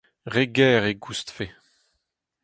Re ger e koustfe.